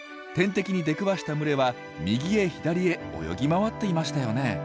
天敵に出くわした群れは右へ左へ泳ぎ回っていましたよね。